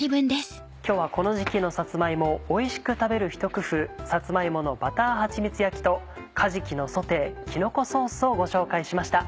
今日はこの時期のさつま芋をおいしく食べるひと工夫「さつま芋のバターはちみつ焼き」と「かじきのソテーきのこソース」をご紹介しました。